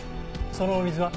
そのお水は？